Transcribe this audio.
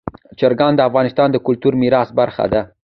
چرګان د افغانستان د کلتوري میراث برخه ده.